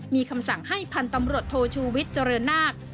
มีคำสั่งให้พันธ์ตำรวจโทชูวิทย์เจริญนาค